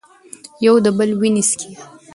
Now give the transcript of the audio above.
یو د بل وینې څښي.